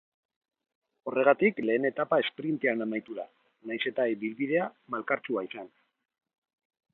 Horregatik lehen etapa esprintean amaitu da, nahiz eta ibilbidea malkartsua izan.